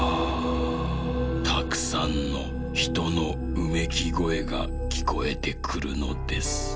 たくさんのひとのうめきごえがきこえてくるのです」。